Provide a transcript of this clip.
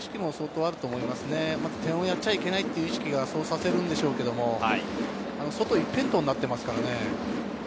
点をやっちゃいけないという意識がそうさせるのでしょうけれど、外一辺倒になっていますからね。